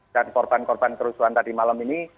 dan korban korban kerusuhan tadi malam ini